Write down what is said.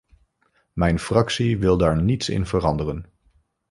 Mijn fractie wil daar niets in veranderen.